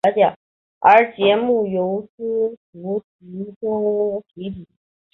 而节目由司徒乃钟题笔。